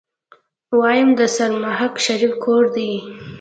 ويم د سرمحقق شريف کور دی.